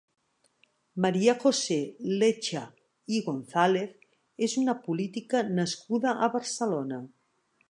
María José Lecha i González és una política nascuda a Barcelona.